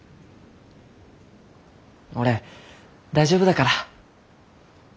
俺大丈夫だから。